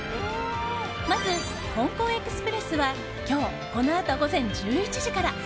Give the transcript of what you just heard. まず香港エクスプレスは今日、このあと午前１１時から。